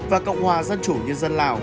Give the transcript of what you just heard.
và cộng hòa dân chủ nhân dân lào